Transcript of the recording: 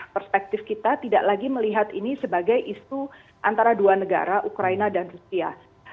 perspektif kita tidak lagi melihat ini sebagai isu antara dua negara ukraina dan rusia